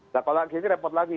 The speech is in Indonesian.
nah kalau ini repot lagi